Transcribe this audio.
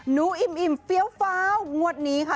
หนูอิ่มเฟี้ยวงวดนี้ค่ะ